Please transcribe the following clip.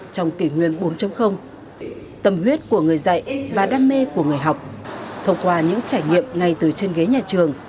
trong kỷ nguyên bốn tâm huyết của người dạy và đam mê của người học thông qua những trải nghiệm ngay từ trên ghế nhà trường